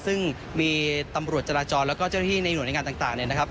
ซึ่งมีตำรวจจราจรและเจ้าที่ในหน่วยงานต่างนะครับ